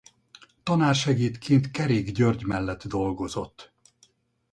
Tanársegédként Kerék György mellett dolgozott.